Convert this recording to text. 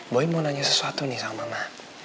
boy mau nanya sesuatu nih sama mama